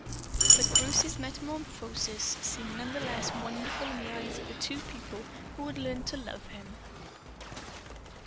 But Bruce's metamorphosis seemed none the less wonderful in the eyes of the two people who had learned to love him.